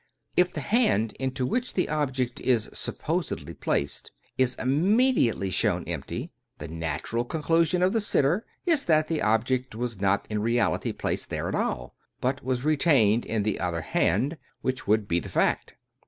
If the hand into which the object is supposedly placed is immediately shown empty, the natural conclusion of the sitter is that the object was not in reality placed there at all, but was retained in the other hand, which would be the fact.